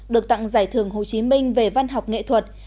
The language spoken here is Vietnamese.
được tặng giải thưởng hồ chí minh về văn học nghệ thuật